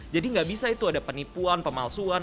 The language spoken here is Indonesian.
jadi nggak bisa itu ada penipuan pemalsuan